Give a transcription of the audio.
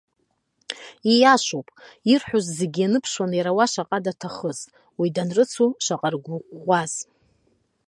Ииашоуп, ирҳәоз зегьы ианыԥшуан иара уа шаҟа даҭахыз, уи данрыцу шаҟа ргәы ӷәӷәаз.